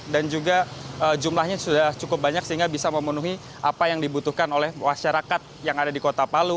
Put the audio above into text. dan juga jumlahnya sudah cukup banyak sehingga bisa memenuhi apa yang dibutuhkan oleh masyarakat yang ada di kota palu